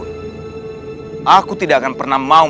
ketika mereka dan mereka bersama sama